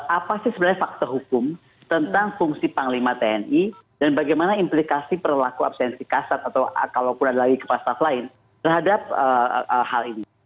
apa sih sebenarnya fakta hukum tentang fungsi panglima tni dan bagaimana implikasi perlaku absensi kasat atau kalaupun ada lagi kepala staf lain terhadap hal ini